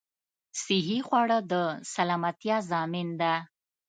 صحې خواړه د سلامتيا ضامن ده